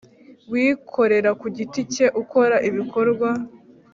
wikorera ku giti cye ukora ibikorwa